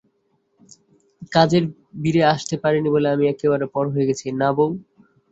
কাজের ভিড়ে আসতে পারিনি বলে আমি একেবারে পর হয়ে গেছি, না বৌ?